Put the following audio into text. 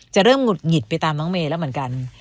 เริ่มหงุดหงิดไปตามน้องเมย์แล้วเหมือนกัน